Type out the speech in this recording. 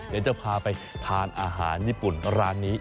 เดี๋ยวจะพาไปทานอาหารญี่ปุ่นร้านนี้